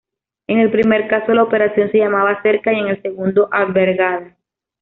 En el primer caso, la operación se llamaba "cerca" y en el segundo, "albergada".